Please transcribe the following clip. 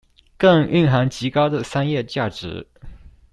更蘊含極高的商業價值